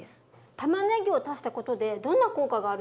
たまねぎを足したことでどんな効果があるんですか？